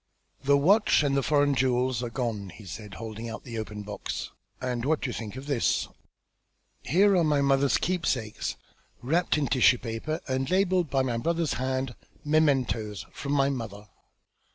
"The watch and the foreign jewels are gone," he said, holding out the open box. "And what do you think of this? Here are my mother's keepsakes, wrapped in tissue paper, and labelled in my brother's hand, 'Mementos. From my mother.'